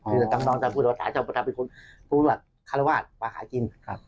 คือกำลองจะพูดว่าข้าจะเป็นคนพูดว่าข้าละวาดมาหากินครับ